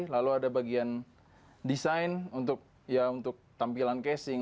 lalu ada bagian desain untuk tampilan casing